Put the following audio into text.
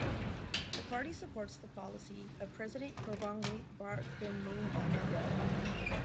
The party supports the policy of President Gurbanguly Berdimuhamedow.